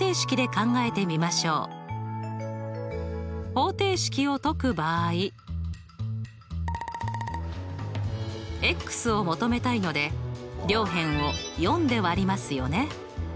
方程式を解く場合。を求めたいので両辺を４で割りますよね。